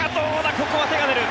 ここは手が出る。